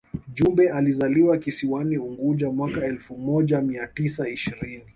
Jumbe alizaliwa kisiwani Unguja mwaka elfu moja mia tisa ishirini